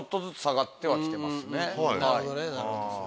なるほどね。